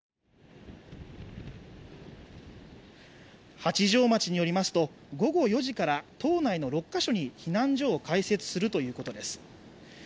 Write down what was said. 八丈町によりますと、午後４時から島内の６カ所に避難所を開設するということです。